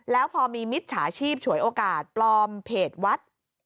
แล้วพอมีมิจฉาชีพฉวยโอกาสปลอมเพจวัด